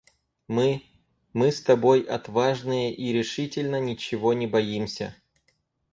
Мы...мы с тобой отважные и решительно ничего не боимся!